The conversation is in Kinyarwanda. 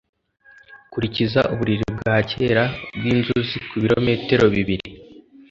Kurikiza uburiri bwa kera bwinzuzi kubirometero bibiri